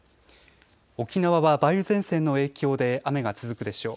沖縄は梅雨前線の影響で雨が続くでしょう。